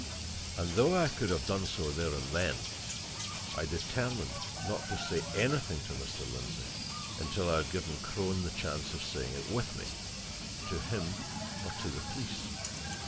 And though I could have done so there and then, I determined not to say anything to Mr. Lindsey until I had given Crone the chance of saying it with me to him, or to the police.